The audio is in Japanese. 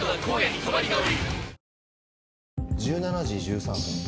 １７時１３分